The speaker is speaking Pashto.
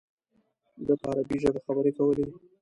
ده په عربي ژبه خبرې کولې.